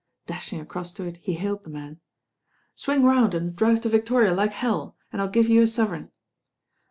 Dashing across to it he hailed the man. ^ "Swing round and drive to Victoria like hell, and I'll give you a sovereign."